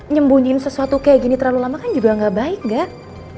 nyembunyiin sesuatu kayak gini terlalu lama kan juga gak baik gak